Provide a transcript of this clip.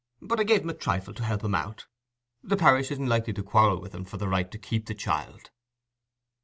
But I gave him a trifle to help him out: the parish isn't likely to quarrel with him for the right to keep the child."